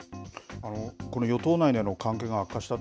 どうして与党内での関係が悪化した